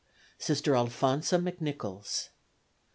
Sister Alphonsa McNichols.